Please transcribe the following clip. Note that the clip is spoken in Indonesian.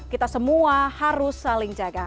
kita semua harus saling jaga